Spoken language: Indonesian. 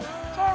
gak masalah dong